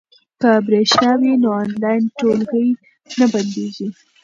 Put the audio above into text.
که برېښنا وي نو آنلاین ټولګی نه بندیږي.